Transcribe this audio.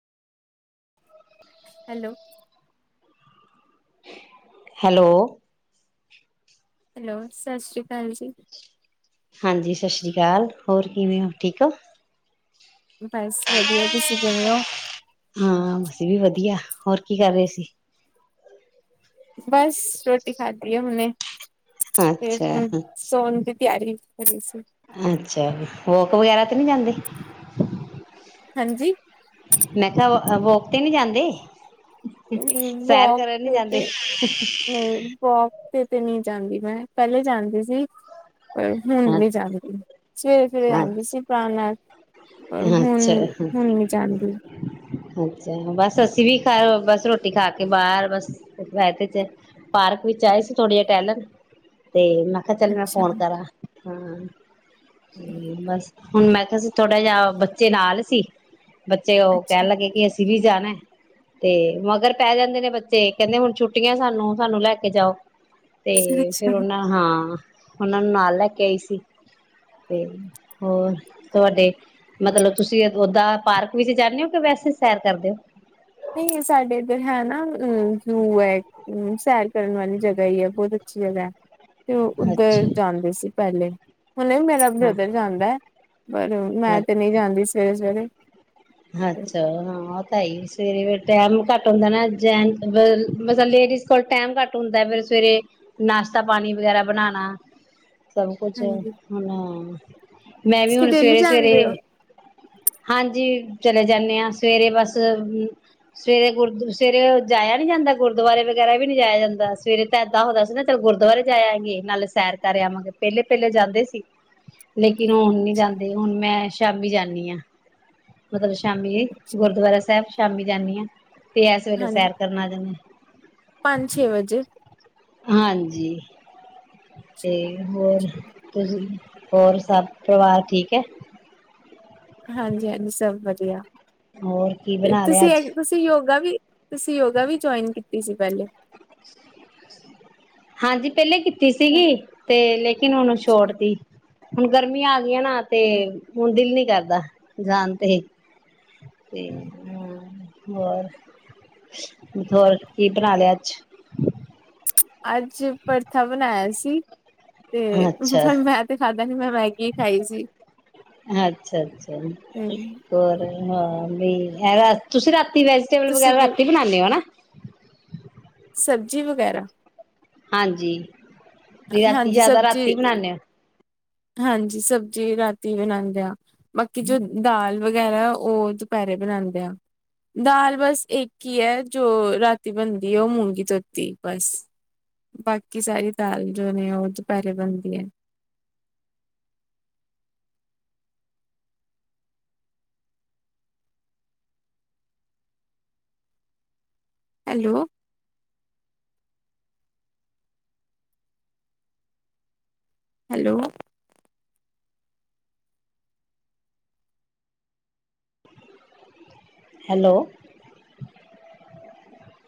Hello hello hello ਸਤਿ ਸ੍ਰੀ ਅਕਾਲ ਜੀ ਹਾਂਜੀ ਸਤਿ ਸ੍ਰੀ ਅਕਾਲ ਹੋਰ ਕਿਵੇਂ ਹੋ ਠੀਕ ਹੋ ਬਸ ਵਧੀਆ ਤੁਸੀਂ ਕਿਵੇਂਂ ਹਾਂ ਬਸੀ ਇਹ ਵੀ ਵਧੀਆ ਹੋਰ ਕੀ ਕਰ ਰਹੇ ਸੀ ਬਸ ਰੋਟੀ ਖਾਧੀ ਹੈ ਹੁੇ ਫ ਅੱਛਾ ਸੋਨ ਤਰੀ ਅੱਛਾ ਵੋਕ ਵਗੈਰਾ ਤੇ ਨਹੀਂੀ ਜਾਂਦੇ ਹਾਂਜੀ ਮੈਂ ਕਿਹਾ ਵੋਕ ਤੇ ਨੀ ਜਾਂਦੇ ਨਹੀਂ ਸੈਰ ਵੋਕ ਕਰਨ ਨੀ ਤੇ ਜਾਂਦੇ ਤੇ ਨਹੀਂ ਵੋਕ ਤੇ ਤੇ ਨਹੀਂ ਜਾਂਦੀ ਮੈਂ ਪਹਿਲੇ ਜਾਂਦੀ ਸੀ ਪਰ ਹੁਣ ਹਾਂ ਨੀ ਜਾਂਦੀ ਸਵੇਰੇ ਸਵੇਰੇ ਜਾਂਦੀ ਸੀ ਪੁਰਾ ਨਾਲ ਪਰ ਹੁਣ ਅੱਛਾ ਹੁਣ ਨਹੀਂੀ ਜਾਂਦੀ ਅੱਛਾ ਬਸ ਅਸੀਂ ਵੀ ਖਾ ਬਸ ਰੋਟੀ ਖਾ ਕੇ ਬਾਹਰ ਬਦੇ ਚ ਪਾਰਕ ਵਿੱਚ ਆਏ ਸੀ ਥੋੜੇ ਜਿ ਟੈਲਟ ਤੇੈਂ ਆਖ ਚੱਲ ਮੈਂ ਅੱਛਾ ਫੋਨ ਕਰਾਂ ਹਾਂ। ਹਮ ਬਸ। ਹੁਣ ਮੈਂ ਕਿਹਾ ਸੀ ਥੋੜ੍ਹਾ ਜਿਹਾ ਬੱਚੇ ਨਾਲ ਸੀ। ਬੱਚੇ ਓ ਅੱਛਾ ਕਹਿਨ ਲੱਗੇ ਕਿ ਅਸੀ ਅਸੀ ਵੀ ਜਾਣਾ ਐ ਤੇ ਮਗਰ ਪੈ ਜਾਂਦੇ ਨੇ ਬੱਚੇ ਕਹਿੰਦੇ ਹੁਣ ਛੁੱਟੀਆਂ ਸਾਨੂੰ ਸਾਨੂੰ ਲੈ ਕੇ ਜਾਓ। ਤੇ ਅੱਛਾ ਫੇਰ ਉਹਨਾਂ ਹਾਂ। ਉਹਨਾਂ ਨੂੰ ਨਾਲ ਲੈ ਕੇ ਆਈ ਸੀ, ਤੇ ਹੋਰ ਤੁਹਾਡੇ ਵੈਸੇ ਸੈਰ ਕਰਦੇ ਹੋ। ਨਹੀਂ ਸਾਡੇ ਇੱਧਰ ਹੈ ਨਾ ਅ ਜੋ ਹੈ ਸੈਰ ਕਰਨ ਵਾਲੀ ਜਗ੍ਹਾ ਹੀ ਹੈ ਬਹੁਤ ਅੱਛੀ ਜਗ੍ਹਾ ਹੈ। ਤੇ ਉਹ ਹੋ ਉੱਧਰ ਅੱਛਾ ਜਾਂਦੇ ਸੀ। ਪਹਿਲੇ। ਹੁਣੇ ਮੇਰਾ ਬ੍ਰਦਰ ਜਾਂਦਾ ਹੈ ਪਰ ਹਾਂ ਮੈਂ ਤੇ ਨਹੀਂ ਜਾਂਦੀ ਸਵੇਰੇ ਸਵੇਰੇ। ਅੱਛਾ ਹਾਂ ਤਾਂਈ। ਸਵੇਰੇ ਟੈਮ ਘੱਟ ਹੁੰਦਾ ਨਾ ਜੈਂਟ ਮ ਮਤਲਬ ਲੇਡੀਜ਼ ਕੋਲ ਟੈਮ ਘੱਟ ਹੁੰਦਾ ਫੇਰ ਸਵੇਰੇ ਨਾਸ਼ਤਾ ਪਾਣੀ ਵਗੈਰਾ ਬਣਾਉਣਾ। ਸਭ ਕੁਛ ਹਾਂਜੀ ਬਨਾ। ਮੈਂ ਵੀ ਤੁਸੀਂ ਹੁਣ ਡੇਲੀ ਸਵੇਰੇ ਜਾਂਦੇ ਹੋ। ਸਵੇਰੇ, ਹਾਂਜੀ। ਚਲੇ ਜਾਂਨੇ ਹਾਂ ਸਵੇਰੇ ਬਸ ਸਵੇਰੇ ਗੁਰ ਸਵੇਰੇ ਜਾਇਆ ਨੀ ਜਾਂਦਾ ਗੁਰਦੁਆਰੇ ਵਗੈਰਾ ਵੀ ਨਹੀ ਜਾਇਆ ਜਾਂਦਾ ਸਵੇਰੇ ਤਾਂ ਏਦਾਂ ਹੁੰਦਾ ਸੀ ਨਾ ਚੱਲ ਗੁਰਦੁਆਰੇ ਜਾ ਆਈਏ ਨਾਲੇ ਸੈਰ ਕਰ ਆਵਾਂਗੇ ਪਹਿਲੇ ਪਹਿਲੇ ਜਾਂਦੇ ਸੀ, ਲੇਕ ਕਿਦੇ ਹੁਣ ਨੀ ਜਾਂਦੇ ਹੁਣ ਮੈਂ ਸ਼ਾਮੀ ਜਾਣੀ ਹਾਂ। [unintelligible] ਸ਼ਾਮੀ ਗੁਰਦੁਆਰਾ ਸਾਹਿਬ ਸ਼ਾਮੀ ਜਾਂਨੀ ਹਾ। ਤੇ ਏਸ ਵੇਲੇ ਹਾਂਜੀ ਸੈਰ ਕਰਨ ਆ ਜਾਂਦੇ, ਪੰਜ ਛੇ ਵਜੇ ਹਾਂਜੀ। ਤੇ ਹੋਰ ਕੁ ਹੋਰ ਸਭ ਪਰਿਵਾਰ ਠੀਕ ਹੈ? ਹਾਂਜੀ-ਹਾਂਜੀ ਸਭ ਵਧੀਆ। ਹੋਰ ਕੀ ਤੇ ਬਣਾ ਲਿਆ ਤੁਸੀਂ ਅੱਜ ਤੁਸੀਂ ਯੋਗਾ ਵੀ ਤੁਸੀਂ ਯੋਗਾ ਵੀ ਜੁਆਇਨ ਕੀਤੀ ਸੀ ਪਹਿਲੇ। ਹਾਂਜੀ ਪਹਿਲੇ ਕੀ ਸੀਗੀ ਤੇ ਲੇਕਿਨ ਹੁਣ ਛੋੜ ਤੀ। ਹੁਣ ਗਰਮੀਆਂ ਆ ਗ ਨਾ ਤੇ ਹੁਣ ਦਿਲ ਨੀ ਕਰਦਾ ਜਾਨ ਤੇ, ਤੇ ਹ ਹੋਰ, ਹੋਰ ਕੀ ਬਣਾ ਲਿਆ ਅੱਜ? ਅੱਜ ਪਰਥਾ ਬਣਾਇਆ ਸੀ। ਤੇ ਅੱਛਾ ਫਿਰ ਮੈਂ ਤੇ ਖਾਧਾ ਨ ਮੈਂ ਮੈਗੀ ਖਾਈ ਸੀ, ਅੱਛਾ ਅੱਛਾ ਹੂੰ। ਹੋਰ [unintelligible] ਤੁਸੀਂ ਰਾ ਤੁਸੀਂ ਵੈਜੀਟੇਬਲ ਤੁਸੀਂ ਵਗੈਰਾ ਕੀ ਰਾਤੀ ਬਣਾਉਂਦੇ ਹੋ ਨਾ। ਸਬਜ਼ੀ ਵਗੈਰਾ ਹਾਂਜੀ। ਵੀ ਰਾਤੀ ਹਾਂਜੀ ਜਿਆਦਾ ਰਾਤੀ ਸਬਜ਼ੀ ਬਣਾਨੇ ਆ। ਹਾਂਜੀ ਸਬਜ਼ੀ ਰਾਤੀ ਬਣਾਉਂਦੇ ਆ ਬਾਕੀ ਜੋ ਦਾਲ ਵਗੈਰਾ ਉਹ ਦੁਪਹਿਰੇ ਬਣਾਉਂਦੇ ਆ ਦਾਲ ਬਸ ਇੱਕ ਹੀ ਹੈ ਜੋ ਰਾਤੀ ਬਣਦੀ ਹੈ ਉਹ ਮੂੰਗੀ ਧੋਤੀ ਬਸ, ਬਾਕੀ ਸਾਰੀ। ਦਾਲ ਜੋ ਨੇ ਉਹ ਦੁਪਹਿਰੇ ਬਣਦੀ ਹੈ। Hello hello. ਹੈਲੋ [unintelligible]